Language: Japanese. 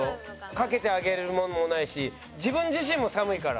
かけてあげるものもないし自分自身も寒いから。